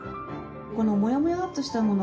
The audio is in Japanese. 「このモヤモヤっとしたもの。